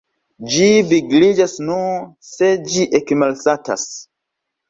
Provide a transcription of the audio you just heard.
Ĝi vigliĝas nur, se ĝi ekmalsatas.